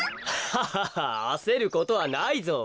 ハハハあせることはないぞ。